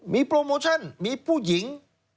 มีโปรโมชั่นมีผู้หญิง